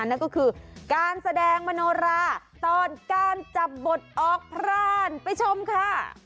นั่นก็คือการแสดงมโนราตอนการจับบทออกพรานไปชมค่ะ